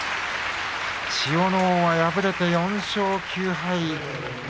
千代ノ皇は敗れて４勝９敗。